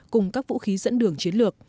cùng các vũ khí dẫn đường chiến lược